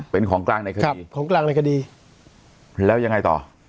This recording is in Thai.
เป็นของกลางในคดีของกลางในคดีแล้วยังไงต่อ